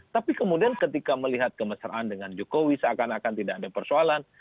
tapi kemudian ketika melihat kemesraan dengan jokowi seakan akan tidak ada persoalan